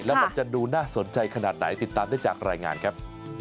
แล้วมันจะดูน่าสนใจขนาดไหนติดตามได้จากรายงานครับ